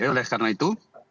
jadi oleh karena itu